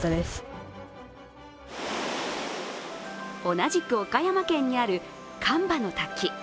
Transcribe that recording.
同じく岡山県にある神庭の滝。